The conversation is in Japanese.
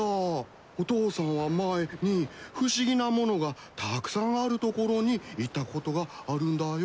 お父さんは前に不思議なものがたくさんある所に行ったことがあるんだよ。